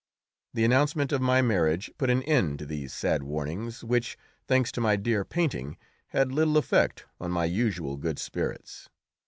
The announcement of my marriage put an end to these sad warnings, which, thanks to my dear painting, had little effect on my usual good spirits.